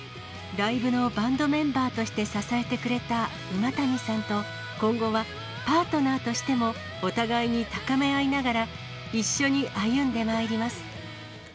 ライブのバンドメンバーとして支えてくれた馬谷さんと、今後はパートナーとしてもお互いに高め合いながら、一緒に歩んでまいります。